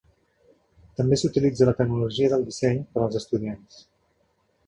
També s'utilitza a la tecnologia del disseny per als estudiants.